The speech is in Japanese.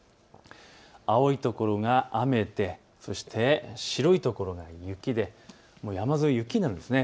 青い所が雨でそして白い所が雪、山沿いは雪になるんです。